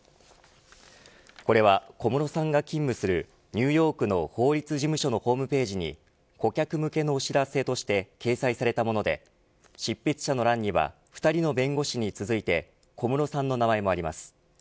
これは小室さんが勤務するニューヨークの法律事務所のホームページに顧客向けのお知らせとして掲載されたもので執筆者の欄にお二人の弁護士に続いて小室さんの名前もあります。